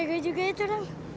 begit juga itu dong